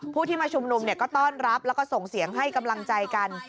ผู้ที่มาชุมนุมก็ต้อนรับแล้วก็ส่งเสียงให้กำลังใจกัน